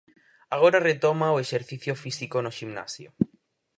Agora retoma o exercicio físico no ximnasio.